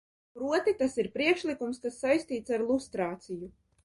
Proti, tas ir priekšlikums, kas saistīts ar lustrāciju.